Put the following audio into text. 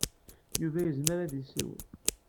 Yuba yezmer ad d-yessiwel.